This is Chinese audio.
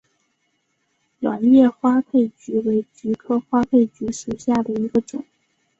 卵叶花佩菊为菊科花佩菊属下的一个种。